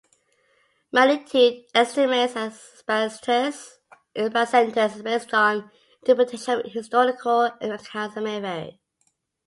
Magnitude estimates and epicenters are based on interpretations of historical accounts and may vary.